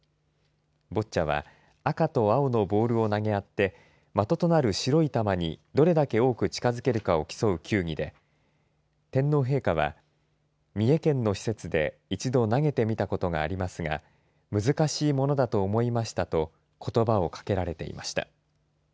ボッチャは赤と青のボールを投げ合って的となる白い球にどれだけ多く近づけるかを競う競技で天皇陛下は三重県の施設で１度投げて見たことがありますが難しいものだと思いましたとことばをかけられていました。